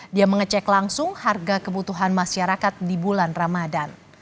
dia mengecek langsung harga kebutuhan masyarakat di bulan ramadan